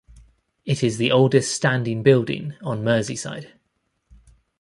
It is the oldest standing building on Merseyside.